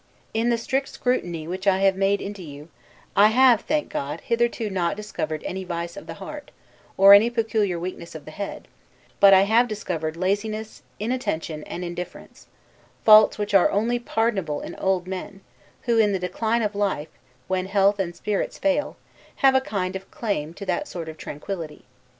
In the strict scrutiny which I have made into you, I have (thank God) hitherto not discovered any vice of the heart, or any peculiar weakness of the head: but I have discovered laziness, inattention, and indifference; faults which are only pardonable in old men, who, in the decline of life, when health and spirits fail, have a kind of claim to that sort of tranquillity.